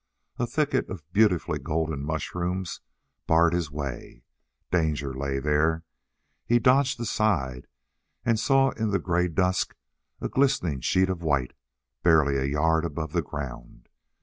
A thicket of beautifully golden mushrooms barred his way. Danger lay there. He dogged aside and saw in the gray dusk a glistening sheet of white, barely a yard above the ground.